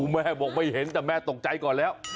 แม่บอกไม่เห็นแต่แม่ตกใจก่อนแล้ว